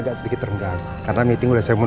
belum perasaan bagus dikit